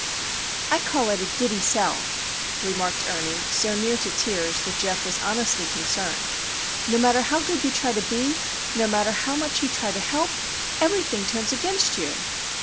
"I call it a giddy sell," remarked Ernie, so near to tears that Geof was honestly concerned. "No matter how good you try to be, nor how much you try to help, everything turns against you."